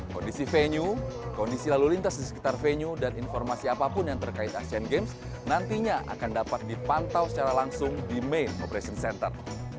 kondisi venue kondisi lalu lintas di sekitar venue dan informasi apapun yang terkait asean games nantinya akan dapat dipantau secara langsung di main operation center